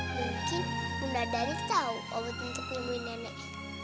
mungkin bunda dari tahu obat untuk nyembuhi nenek